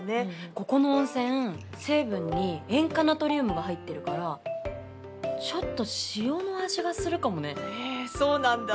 ここの温泉成分に塩化ナトリウムが入ってるからちょっとへえそうなんだ！